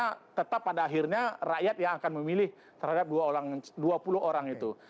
karena pada akhirnya rakyat yang akan memilih terhadap dua puluh orang itu